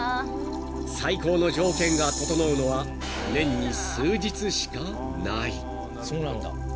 ［最高の条件が調うのは年に数日しかない］